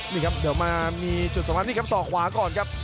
นี่ครับเดี๋ยวมามีจุดสำคัญนี่ครับศอกขวาก่อนครับ